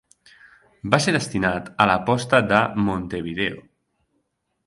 Va ser destinat a la posta de Montevideo.